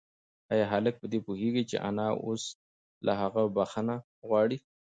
ایا هلک په دې پوهېږي چې انا اوس له هغه بښنه غواړي؟